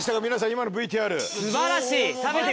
今のＶＴＲ。